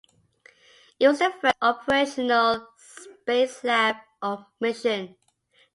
It was the first operational Spacelab mission.